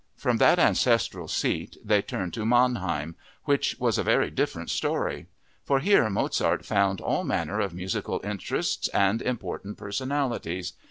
From that ancestral seat they turned to Mannheim, which was a very different story. For here Mozart found all manner of musical interests and important personalities.